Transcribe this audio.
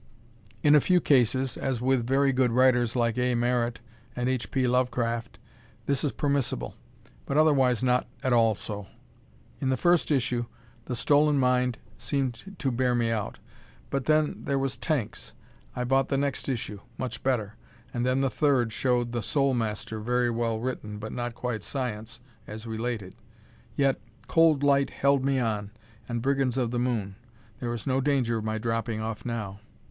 In a few cases, as with very good writers like A. Merritt and H. P. Lovecraft, this is permissible, but, otherwise, not at all so. In the first issue, "The Stolen Mind" seemed to bear me out, but, then, there was "Tanks." I bought the next issue much better! And then the third showed "The Soul Master," very well written, but not quite science, as related. Yet, "Cold Light" held me on, and "Brigands of the Moon." There is no danger of my dropping off now!